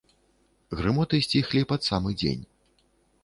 Грымоты сціхлі пад самы дзень.